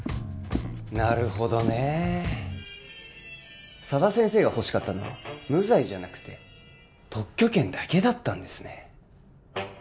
なるほどね佐田先生が欲しかったのは無罪じゃなくて特許権だけだったんですね